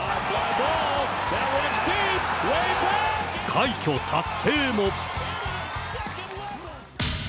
快挙達成も。